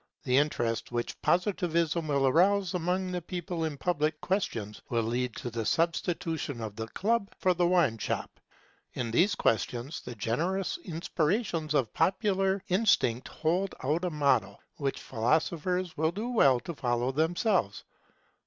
The interest which Positivism will arouse among the people in public questions, will lead to the substitution of the club for the wine shop. In these questions, the generous inspirations of popular instinct hold out a model which philosophers will do well to follow themselves.